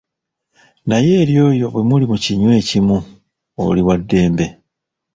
Naye eri oyo bwe muli mu kinywi ekimu oli waddembe.